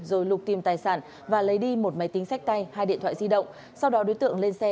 rồi lục tìm tài sản và lấy đi một máy tính sách tay hai điện thoại di động sau đó đối tượng lên xe